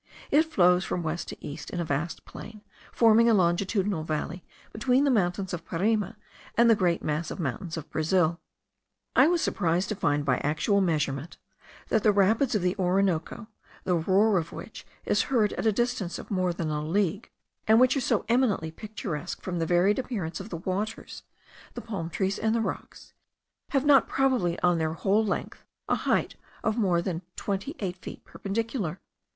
It flows from west to east in a vast plain, forming a longitudinal valley between the mountains of Parima and the great mass of the mountains of Brazil. I was surprised to find by actual measurement that the rapids of the Orinoco, the roar of which is heard at the distance of more than a league, and which are so eminently picturesque from the varied appearance of the waters, the palm trees and the rocks, have not probably, on their whole length, a height of more than twenty eight feet perpendicular.